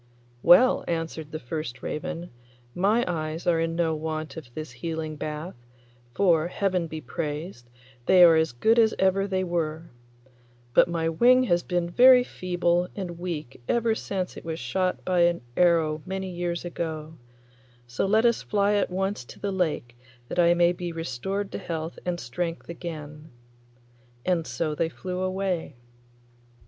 'Well,' answered the first raven, 'my eyes are in no want of this healing bath, for, Heaven be praised, they are as good as ever they were; but my wing has been very feeble and weak ever since it was shot by an arrow many years ago, so let us fly at once to the lake that I may be restored to health and strength again.' And so they flew away.